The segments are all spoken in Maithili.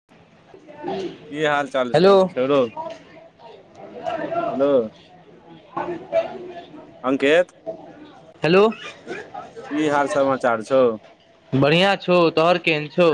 [unintelligible] की हाल चाल हेलो छरो हेलो अ [unintelligible] अङकत [unintelligible] हेलो की हाल समाचार छौ बढ़िआँ छौ तोहर केहन छौ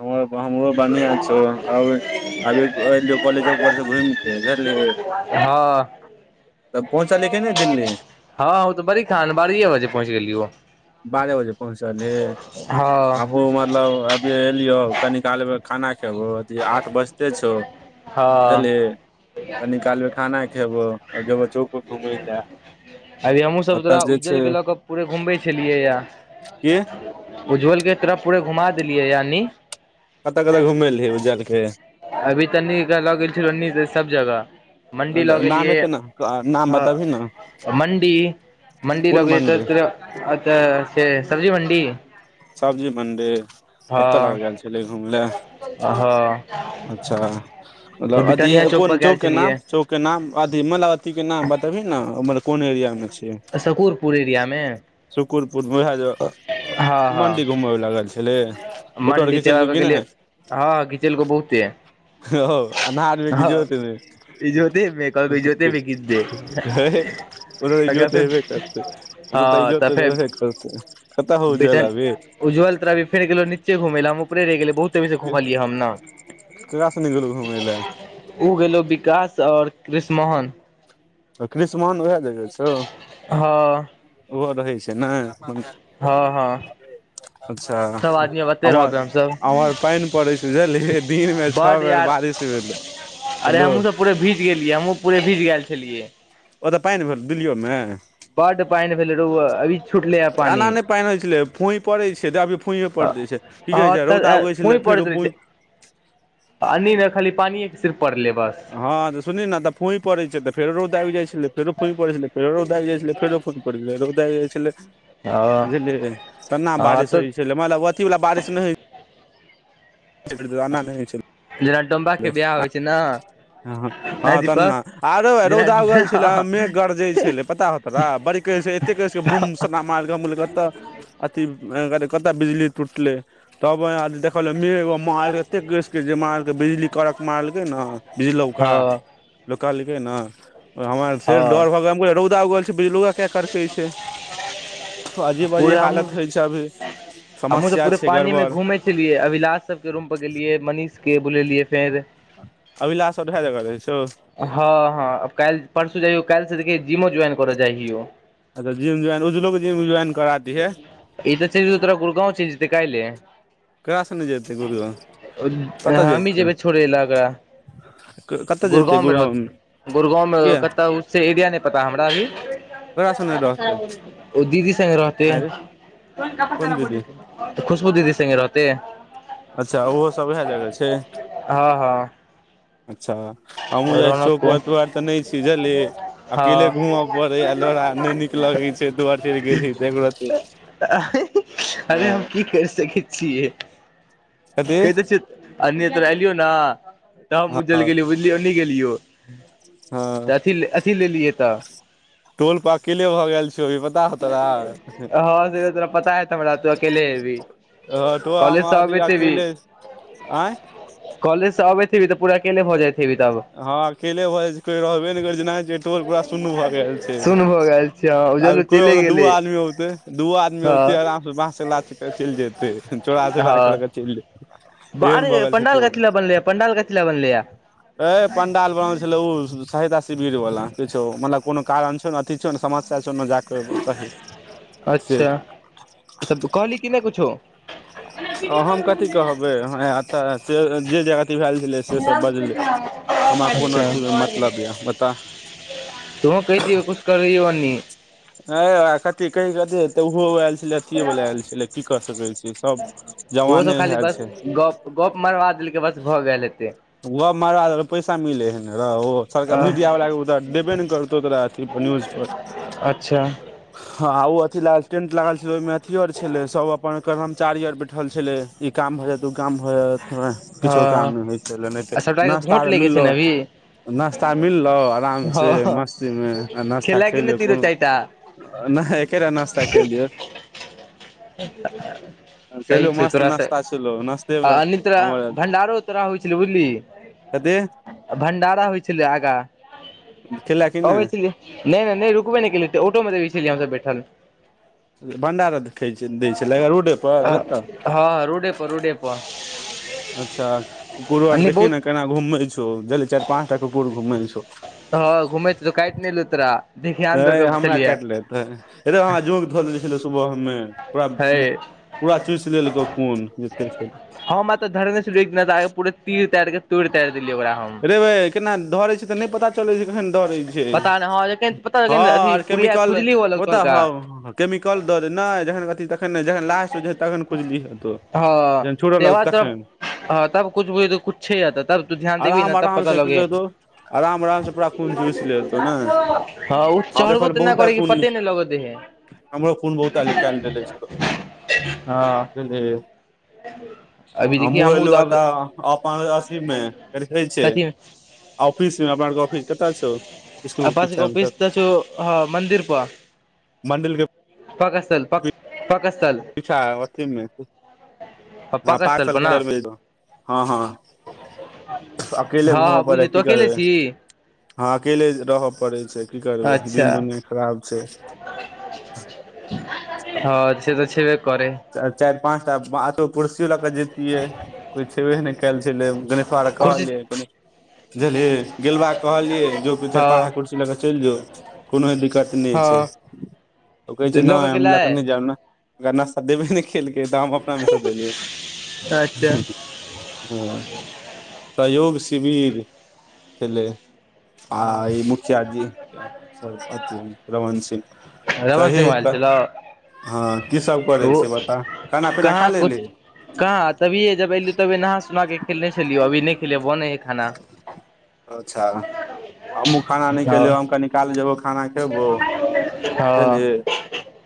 हमर हमरो बढ़िआँ छौ आओर अभी एलियौ कॉलेज पर से घुमि के बुझलिही हँ तब पहुँचलही कि नहि दिल्ली हँ ओ तऽ बड़ी खन बारीए बजे पहुँच गेली ओ बारह बजे पहुँचली हे हँ आबू मतलब एलियो कनी काल खाना खेबो अथी आठ बजते छौ हँ कनि कालमे खाना खेबो आ जेबो चौक पर घुमय लए अभी हमहूँ सब एतऽ तोरा जे छै उज्जल के लऽ कऽ पूरे घुमबै छलियै या की उज्ज्वल के तरफ पूरे घुमा देलियै यानि। कतय कतय घुमेली उज्जल के अभी तन्नी लऽ गेल छन्नी से सब जगह मंडी लऽ नाम गेलियै एते ने नाम बताबही ने मंडी मंडी कोन लगै मंदिर त अच्छा से सब्जी मण्डी सब्जी मनडी ओतय लग गेल हँ छलै घूम ले हँ अच्छा तऽ मतलब अथी बिटनिया पर कोन गेल चौक के नाम छलियै चौक के नाम अथी मलावती के नाम बतबही ने उमर कोन एरिया मे छै सकूरपुर एरिया मे सुकुरपुर [unintelligible] हँ हँ मणंडी घूमय लागल छली फोटो आर मंडी खिचेलको त्यौहार की के लिए नहि हँ घीचेल को बहुते ह अनारमे क हँ जोतमे इजोते मे कहलको इजोते मे घीच दे [unintelligible] ओत त तकर इजोत फेर हेबतै ओन त ई हँ तऽ जोति फेर बरबेतै कत हौ जल भी उज्जल तऽ फेर गेलोीचे घुम ल हम उपे रहि गेले बहुत त खो खाली हम ने केकरा सने गेलौ घुमै लए [inaudible] ओ गेलो विकास आओर कृष्णा क्रिष्मान उएह जगह छौ हँ ओहो रहै छै ने हँ हँ अच्छा सब आदमी ओते अमर रहबै हमसब अमहर पानि पड़ै छै बुझलियै दिन मे छओ बड बेर यार बारिश [unintelligible] अरे हेलो हमहूँ सब पूरे भीज गेलियै हमूँ पूे भीज गेल छलियै ओतऽ पैंन भेल दिल्लिओमे बड पानि भेले रौ अभी छुटले ह पानि एना नहि पैन होइ छलै फूई पड़ै छै तऽ अभी फूईए पड़ हँ दै छै की कहै छै रौदा तऽ उगै छलै फेरो अन्नीमे खाली पानिके सिर्फ पड़लै बस हँ तऽ सुनी ने त फोई पड़ै छै त फेरो दागि जाइ छलै फेरो फोई पै छलै फेरो दागि जाइ छलै फेरोई रौदाजे छले ह बुझलियै तेना हँ बारिश तऽ होइ छै मलब अथी वला बारिश नहि [unintelligible] जरा टोा [unintelligible] के बियाह होइ छै ने ह ह हँ तऽ ने आरो जेना रौदागल छलै मेघ गरजे छलै पता हो पता बड़ कते कहै बुम स मार कत अथ कत बिजली टूटलै तब देखल म मालकेेक र जे माल बिजली कड़क मारलकै ने बिजलौका हँ लोक कहलकै ना हमर फेर हँ डर भऽ गेल रौदा उगल छै बिजलुग क करके छै अजीब पूरे अजीब हमहूँ हालत होइ छै अभी समस्या छै गड़बड़ लियै अभिलाष सब के रूम पर गेलियै मनीष के बुलेलियै फेर अभिलाए जगह रहै छौ हँ हँब काल्हि परसू जाइयो काल्हि से देखिय जिमो ज्वइन करऽ जाइयौ अच्छ जम ज्वाइन उसलोग जिम ज्वाइन करा दिहा इ तऽ चज तरा गुरगाँव चंज तै कहिले केकरा सने जेतै गुरुआ कतऽ हमी जेतै जेबै छोड़े एकरा कतऽ जेतै गुड़गाँंव मे गुड़गाँव रहत गुड़गाँंव मे किया कतऽ से एरिया नहि पता हमरा अभी ककरा सने रहतै ओ दीदी स रहते आंय रे है कोन दीदी खुशबू दीदी सङे रहतै अच्छा ओहो सब ओएह जगह छै हँ हँ अच्छा हमहुँ जाइ छी रौनक को चक तोार तऽ नहि छी जझलि हँ अकेले घूम पड़े आ लो न लगै छै दुआरि फ गेली तैरा त अरे हम की कर सकै छियै कथी क दे छै अन्य त एलियौ ने तल हँ बुझलिय गेलिय हँ तऽ अथ लेलिय तऽ टोल प अकेले भऽ गेल छ अभी पता हो तोरा हँ से तोरा पता है हमरा तू अकेले हेबही ह तो आम कॉलेज से आदी अकल आँय कॉलजसँ अबेतऽ पूरा अकेले भ जायते खठी तब हँ अकेले भऽ जाइ छै कोई रहबे ने कर छै जेना छै टोल पूरा शून्य भए गेल छै सुन भऽ गेल छैँऔर अभी कोई होते दूओ आदमी औते दूओ आदमी हँ औते आराम से बा से ल चलि जेते चोड़ा हँ आग चललै अरे पंडाल कथिला बनलै पंडाल कथिल बनै ए पंडाल बन छल ओ सहायता शिविर वाला किछो मतलब कोनो कारण छौ ने समस्या जा कर चाही से अच्छा तऽ कहली कि नहि कुछो हम कथी कहबै तऽ जे जे अथी भेलए छलै से सब बजलै आरा कोनो मतलब य बता तूह कै दिय कुछ करी ओ न ह आ ती कही कथी तऽ उहो वल अथीए वला आयल छै ल की कर सकै छी सब ओहो सब जवाने खाली भेलल बस छै गप गप मरबा देलकै बस भऽ गेल एते ओ मार पैसा मिले है र सर मीडियाावालाक के देबे ने करतौ तोरा त न्यूजपर अच्छा हँ ओ अथी लागल टेंट लागल छै ओहिमे अथी आर छलै सब अपन कर्मचारी आर बैठल छले इ काम भए जात उ काम भ जात किछो हँ काम न हो नहि ते आ सभटाके नाश्ता भोट लैके छै मिललो ने अभी नाश्ता मिललौ आरामसँ हँ मस्तीमे आ नाश्ता खेलए कि नहि खयलहु तीनो चारि टा कोनो नहि एकेटा नास्ता खेलियौ एक सही कहलियौ छौ मस्त तोरासँ नास्ता छलौ नास्ते आ मे अ तो हमर भंडारो तोरा होइ छल बुझलि कते भण्डारा होइ छलै आगाँ खेला कि अबै नहि छलिय नहि नहि रुकबे नहि गेलियै ऑटो मे वि छैल य हमस बैठल भंडारै दै छै रोडे पर कतऽ हँ रोडे पर रोडे पर अच्छा कुकुरो आर एन्ने देखही बहुत ने केना घूमै छौ चारि पाच टा कुकुर घूमे छौ हँ घुमए हे तऽ काइट नहि लूतरा ह हमरा काटि लेते हमरा जोक धऽ लइ छलै सुबहमे तोरा हे पूरा चुस लेलकौ खून जेते छौ हम तऽ धरने पूरा तीर तारिक तो तारि देलियै ओकरा हम रेबे केना धरै छै तऽ नहि पता च खन डरै छै पता नहि हँ जखन पता हँ अथी आर कुड़िया केमिकल खुजली हुअ ओ लगतौ त हल्का ह केमिकल दऽ दे नहि जखन अथी तखन नहि जखन लास्ट हो जेतै तखन खुजली हेतौ हँ जखन छोर तकर लगतौ बाद तखन तब हँ तब कुछ बुझ त कु छै य त तब तू ध्यान देबी न आराम तब आराम पता से की लगै करतौ आराम आराम से पूरा खून चुसि लेतौ ने हँ ओ हम चढ़बो देखल तऽनै बहुते करै खून पते नहि लग दै है हमरो फोन बहुत निकाल रहले हँ बुझलिय अभी [unintelligible] देखिय हमु हमहुँ एलौ अब तऽ अपन अथीमे रहै छै कथी ऑफिसमे अपन सब के अफिस कतऽ अ छौ स्कूल अ के पस पीछा मे ऑफिस तऽ छ ह मंन्दिर प मण्डिलके पाकस्तल प पाकस्तल पीछा उ अथीमे पक हँपा र स्थल साल पर के ने अर मिल हँ हँ अकेले हँ घूमऽ पड़ै बुझिय है तू की अकेले करबै छी हँ अकेले रहय पड़ै छै की करबै दिन दुनिआ खराब छै ह ह [unintelligible] हँ से तऽ छेबे करै चाएरि पाँच टा बात कुर्सियो लऽ कऽ जे ै छेबे नहि कयल छल गणेशाय के कुर्सी कहलियै बुझलिए गेलबा कहलियै जो त चारि हँ पाँचटा कुर्सी लए कऽ चलि जो कोनो दिक्कत नहि छै हँ त कहै तऽ छै लऽ कऽ नई हम गेलै लकन नहि जायब न ओकरा नाश्ता देबे नहि केलकै तऽ हम अपनामे सँ देलियै अच्छा हँ सहयोग शिविर छलै आ ई मुखिया जीथ रमन सिंह रमन कही सिंह वइल छलौ हँ की सब करै ओ छिय बता खाना पीना खा कहाँ कुछ लेली कहाँ तभिए जब एलिय तभी नहा सुना के खेने छलिय अभी नहि खेलिय बनै है खाना अच्छा हमु खाना नहि हँ खेलियौ हम क निकाल जेबौ खाना खेबौ हँ बुझलि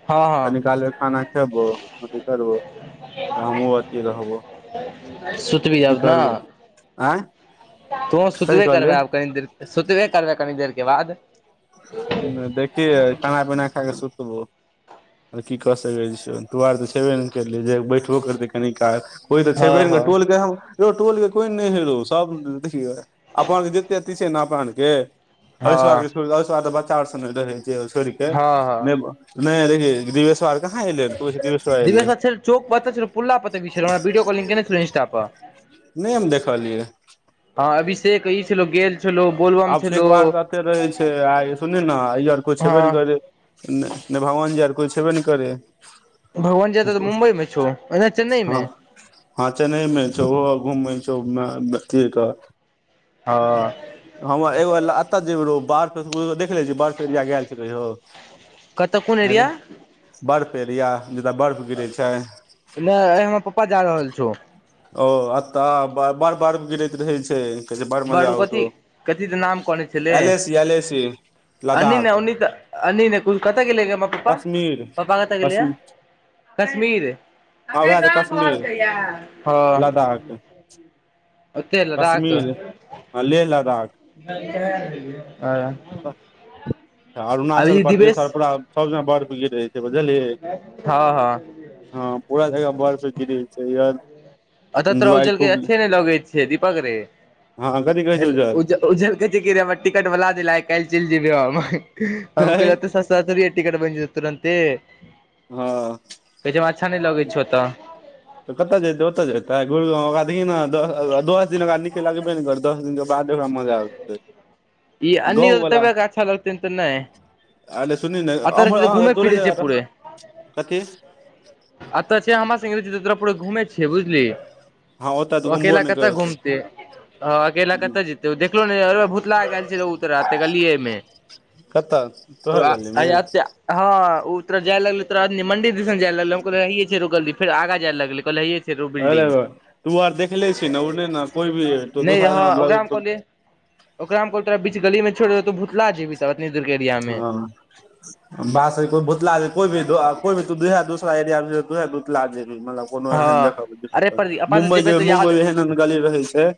हँ कनी हँ काल क खाना खेबो अथी करबो आ हमहूँ अथी रहबो सुतबी आब नै ऑय तो सुतबे करबै आब कनि देर सुतबे करबै कनी देर के बाद देखिय खाना पीना खाके सुतबौ आ की कऽ सकै छियो तु आर तऽ छेबे ने करलि जे बैठबो करतै कनि काल ओहि तऽ हँ छबे हँ टोलके यौ टोलके कोइ नहि है रौ सभ देखि अपन जतेक ती छै नेके हँ ऐशर्य ऐश्वार तऽ बच्चा आर रहै छै सोर्य के हँ हँ [unintelligible] नहि रहिय गिवेश्वर आर कहाँ एलै तू दिवेश्वर दिवेश एलेै बा छल चौक पता छल पुला पीरा भीडियो कलिंग केने छलौ इंस्टा पर नहि हम देखलिय हँ अभीशेक ई छै लो गे आब से एकब एते रहै छै आइ सुन ने ई आर कोछ छेबे हँ नहि कर नहि भगवान जी आर कोइ छेबे ने कर भगवान ज त मुम्बई मे छौना चेन्नईम हँ हँ चेन्नई मे छौ घूमै छौ अ हँ हमर एगो एत ज जेबौ ब देख ले छियै बर्फ एरिया गेल छलै ह कतऽ कोन अरे एरिया बर्फ एरिया जतय बर्फ गिरै छ नहि हमर पपापा जा रहल छ ओ ए त बार बार गिरैत रहे छ कस बार बड़ मजा कथी आतौ कथी तऽ नाम L A C L A S अन् ने उन् अन् ने कतऽ गेले हमर पपा कश्मीर पपापा कतऽ गेले कश्मीर कश्मीर हँ अखन वएह तऽ कहाँ कहलक कश्मीर य हँ लद्दाख ओत र अ ले लदा आ अरुणाचल प्रदेश आओर पूरा सब जेना बड़ गिड़ रहै छै बुझलिय हँ हँ हँ पूरा जगह बर्फ से गिर छै अत तोरा एन्जॉय उजल के खूब अच्छे नहि लगैत छै दीपक रे हँ कथी कहै ह छै उज्जल उ ओझलक छै र टिकट वला देल काल चलि है जेबेे सस्त एटी कट बन्दतु ह पहिेमे अच्छा न लगैत छौ तऽ कतऽ जेते ओतय जेते घ ओकरा देख ने दस दिन ओकरा निकल लागत कर दस दिने बाद ओरा मजाबत ई अनीग तव्यकेछल लगतेता आले सुनही ने अम्ह अ दूरे फिरै छै जगा रह कथ अ तऽ छै हमरा स ज्रपुर घुमे छियै बुझल हँ ओतऽ तऽ ओ घुमबो अकेल नहि कतऽ करतै घूमते ह अकेला कतऽ जते देखलो ने अर भूतल उतरते गलियएमे कतऽ तोहर गलीमे आय अत हँ ओ तोरा जा लगल तोरा मंदिर दिस जा लगल ह रुकल फेर आग जा ललेैले ह अरे तू आर देखले छी ने ओ ने कोइ भी दोसरत ओकरामे कह तोरा बच गलीमे छोड़ देौ तौ भुतला जेबही तबत दूर के एरियाम बस कोइ भुतला को भी को दूसरा एरियाहेतला मतल कोनो एहन हँ देख अरे पर अपन से मुम्बइ जेबै जे तऽ मुम्बई याद मे एहन एहन गाली रहै छ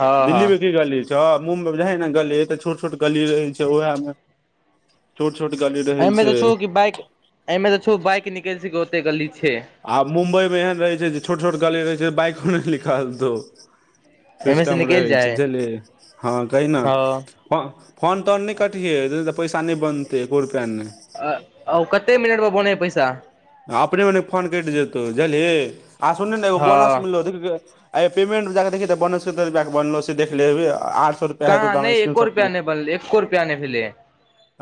हँ हँ दिल्लीमे की गली छैँ मुम्बइमे जे ह ने गली तऽ छोट छोट गली रहै छै उएहम छोट छोट गली रहै छ बाइ एहिमे त छौ बाइक निकल सकय यऽ ओते गली छ आब मुम्बईमे एहन रहै छै जे छोट छोट गली रहै छै बाइको नहि निखल त एहिमे से सिस्टम निकलि रहै छै जाइ बुझलियै हँ कही हँ न फोन तोन नहि कटिहै तऽ पैसा नहि बनतै एको रुपैआ नह आ ओ कते मिनट मे बोने ह पैस आ अपने मने फोन कटि जेतौ बुझलही आ सुनू ने एगो बोनस हँ मिललौ दे आइ पेमेन्ट में जाकऽ देखही तऽ बोनस कते रुपया के बनलौ से देख लेबै आठ सए कहाँ नहि एको रुपैआ नहि बनलय एको रुपैआ नहि भेलल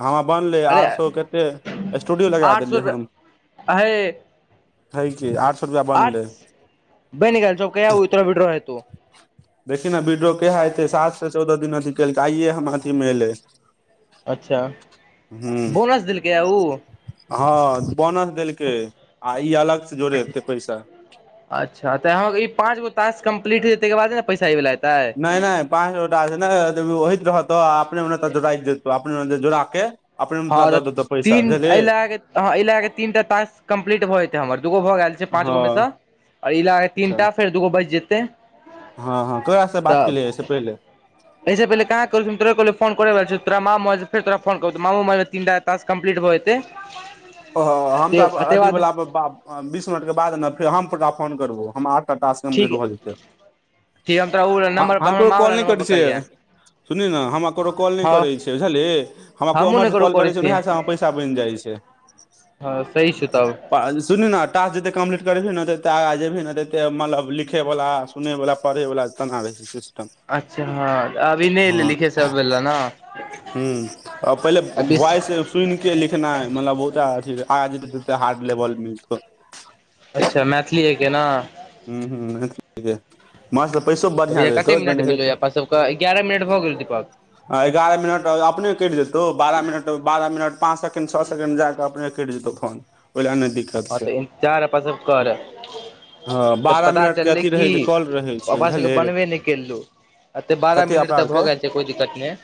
हमरा बनलै आठ सए कते स्टूडियो लगा देलियै अ है की आठ सौ रुपया आ बनलै ब निकाल छ कय उतर विड्रो ह त देखि ने बिड्रो केहा एते सात से चौदह दिन अथी केलकै आइे हम अथी मे एल अच्छा बोनस देलकऽ य हँ बोनस देलकै आ ई अलग से जोड़ेतै पैस अच्छा तऽ हाँ ई पाँच गो टास्क कम्प्लीट हयै तकर बाद ने पैसा ए ल एत नहि नहि पाँच गोटा ओहित रहतौ अपने तऽ जोड़ देतौ अपने जोड़ा हँ तऽ [inaudible] तीन बुझलही एहि लगए कऽ ह एहि लगए कऽ तीन टा तास्क कम्प्लीट भऽ जेतै हमर दूगो भऽ गेल छै पाँच गोमे स हँ आओर इ लाके तीन अच्छा टा फेर दूगो बच जेत हँ हँ ककरा स बात केलियैऐसे पहिल एहिऐस पहिल कह कर तो फोन कर तोरा म फ तोरा फो मामू ममे तीनटा तास कम्प्लीट भऽ जेत ओ हम तऽ अथीवला पर बीस मिनट के बाद ने फेर हम परा फोन करबो ह क बाद सिम ठीक डेड भ जेतय ठीक हम तोरा ओ वला नम्बर पर हम हमर केकरो माँ वला कॉल नै नम्बर पर कटै करिहे छय सुनही ने हमरा ककरो कॉल नहि हँ करै छै बुझलही हमरा कोइ हमहुँ ने ओमहरसँ ककरो कॉल करै छै न छियै वएहसँ हमरा पैसा बनि जाइ छ हँ सही छौ तब सुनी न तास जेते कम्प्लीट करेबही ने तेते आग जेबी ने तेते मतलब लिखै वला सुनै वला पढ़ै वला तना रहै छ अच्छा हँ अभी नहि एलै लि हे हँ सभ वला न आ पहिले वॉइ सुनि के लिखनाइ मतलब बहुत आ जे हार्ड लेवल मिल अच्छा मैथिलीएके न हू हू माछ तऽ पैसो बढ़िआँ अभी कते देतौ मिनट जेना भेलौ जेत य अपन सबके एगारह मिनट भऽ गेल दीपक आ एगारह मिनट अपने कटि जेतौ बारह मिनट बारह मिनट पाच सेकंड छओ सेकेंड जााक अपन कटि जेतऽ फोन ओहि लय नै दि हँ तऽ इंतजार अपासब कर हँ तऽ बारह पता मिनट के चललै अथी कि रहै छै कॉल रहै छै पापा सबके बुझलिही बनबे नहि केलल अते बारह कते मिनट अपना तऽ भऽ आरके गेल छै कोई दिक्कत नह